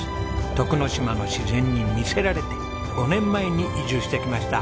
徳之島の自然に魅せられて５年前に移住してきました。